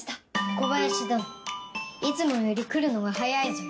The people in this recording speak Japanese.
小林どのいつもより来るのが早いぞよ。